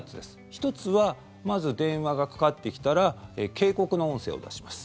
１つは、まず電話がかかってきたら警告の音声を出します。